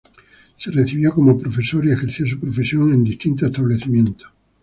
Se recibió como profesor y ejerció su profesión en distintos establecimientos.